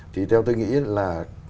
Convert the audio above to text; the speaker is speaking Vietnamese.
thì theo tôi nghĩ là